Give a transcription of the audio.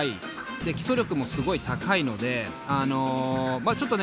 で基礎力もすごい高いのでちょっとね